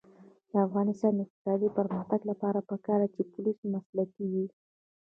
د افغانستان د اقتصادي پرمختګ لپاره پکار ده چې پولیس مسلکي وي.